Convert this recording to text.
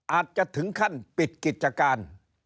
อาจจะถึงขั้นปิดกิจการ